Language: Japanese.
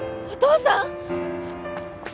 お父さん！